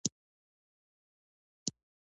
ما وګوره دا وګوره.